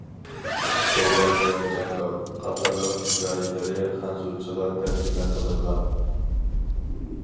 «بوۋاي ۋە جاڭگال» قاتارلىق ھېكايىلىرى خەنزۇچىغا تەرجىمە قىلىنغان.